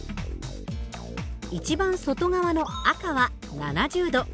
一番外側の赤は７０度。